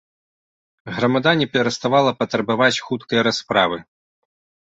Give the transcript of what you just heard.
Грамада не пераставала патрабаваць хуткай расправы.